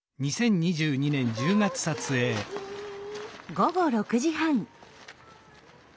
午後６時半。